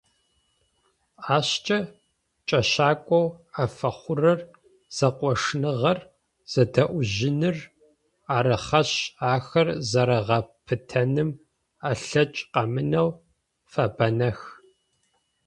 Ащкӏэ кӏэщакӏоу афэхъурэр зэкъошныгъэр, зэдэӏужьыныр арыхэшъ, ахэр зэрагъэпытэным алъэкӏ къэмынэу фэбанэх.